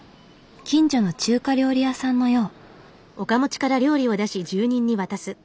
近所の中華料理屋さんのよう。